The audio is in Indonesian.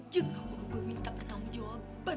jangan mulu gue minta pertanggung jawaban